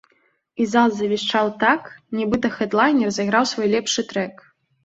І зал завішчаў так, нібыта хэдлайнер зайграў свой лепшы трэк.